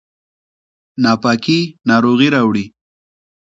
ناپاکي ناروغي راوړي